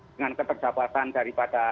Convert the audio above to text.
dengan keterbatasan daripada